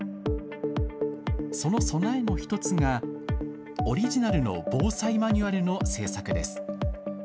その備えの１つがオリジナルの防災マニュアルの制作です。